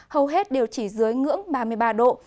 hầu hết đều chỉ dưới ngưỡng ba mươi ba độ